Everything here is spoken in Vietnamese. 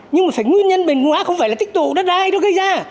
nhưng mà phải nguyên nhân bền cùng hóa không phải là tích tụi đất đai đó gây ra